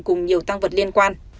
cùng nhiều tăng vật liên quan